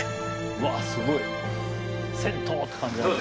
わぁすごい銭湯って感じだね。